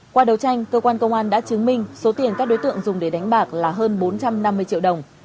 qua đầu tranh cơ quan công an đã chứng minh số tiền các đối tượng dùng để đánh bạc là hơn bốn trăm năm mươi triệu đồng